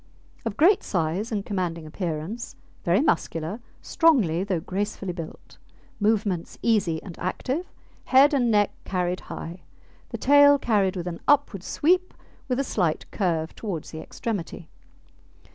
Of great size and commanding appearance, very muscular, strongly though gracefully built; movements easy and active; head and neck carried high; the tail carried with an upward sweep, with a slight curve towards the extremity.